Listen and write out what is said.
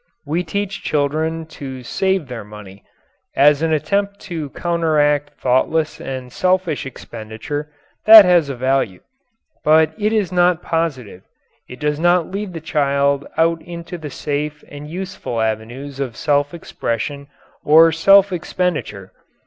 We teach children to save their money. As an attempt to counteract thoughtless and selfish expenditure, that has a value. But it is not positive; it does not lead the child out into the safe and useful avenues of self expression or self expenditure.